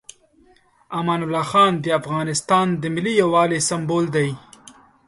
امان الله خان د افغانستان د ملي یووالي سمبول دی.